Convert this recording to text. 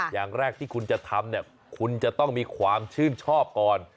อย่างแรกที่คุณจะทำเนี่ยคุณจะต้องมีความชื่นชอบก่อน